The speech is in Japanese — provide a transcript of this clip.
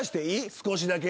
少しだけ。